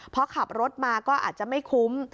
พอขับรถมาก็อาจจะไม่คุ้ม